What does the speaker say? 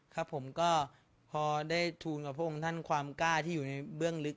ครับผมก็พอได้ทูลกับพระองค์ท่านความกล้าที่อยู่ในเบื้องลึก